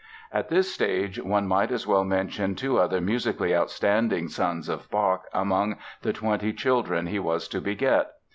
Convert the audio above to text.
At this stage one might as well mention two other musically outstanding sons of Bach among the twenty children he was to beget.